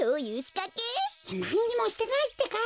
なんにもしてないってか。